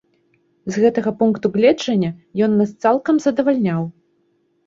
З гэтага пункту гледжання ён нас цалкам задавальняў.